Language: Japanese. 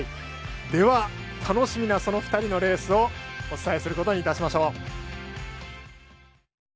では、楽しみなその２人のレースをお伝えすることにいたしましょう。